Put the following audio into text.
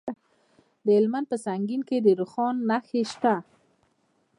د هلمند په سنګین کې د رخام نښې شته.